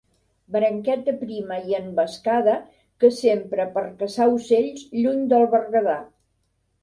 Branqueta prima i envescada que s'empra per a caçar ocells lluny del Berguedà.